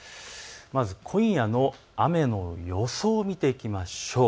まず今夜の雨の予想を見ていきましょう。